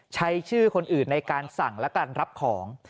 ใช้ชื่อคนอื่นในการสั่งและการรับของ